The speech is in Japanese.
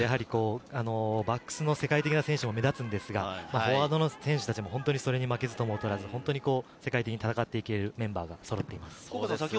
そうですね、パッと見、メンバーを見るとバックスの世界的な選手も目立つんですが、フォワードの選手たちもそれに負けずとも劣らず、世界的に戦っていけるメンバーがそろっています。